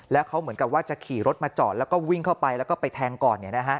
แล้วเขาเหมือนกับว่าจะขี่รถมาจอดแล้วก็วิ่งเข้าไปแล้วก็ไปแทงก่อน